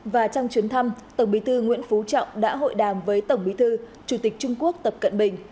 và trong chuyến thăm tổng bí thư nguyễn phú trọng đã hội đàm với tổng bí thư chủ tịch trung quốc tập cận bình